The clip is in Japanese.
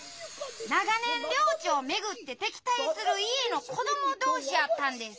長年領地を巡って敵対する家の子ども同士やったんです！